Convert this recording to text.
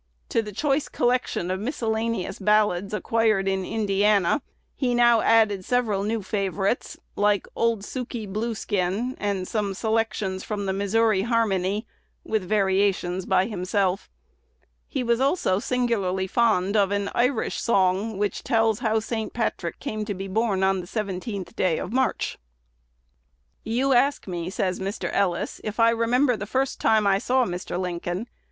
To the choice collection of miscellaneous ballads acquired in Indiana, he now added several new favorites, like "Old Sukey Blue Skin," and some selections from the "Missouri Harmony," with variations by himself. He was also singularly fond of an Irish song, "which tells how St. Patrick came to be born on the 17th day of March." "You ask me," says Mr. Ellis, "if I remember the first time I saw Mr. Lincoln.